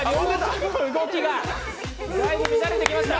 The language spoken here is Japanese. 動きがだいぶ乱れてきました。